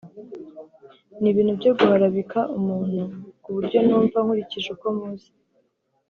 ni ibintu byo guharabika umuntu ku buryo numva nkurikije uko muzi